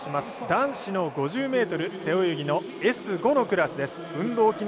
男子の５０ｍ背泳ぎのＳ５のクラスです。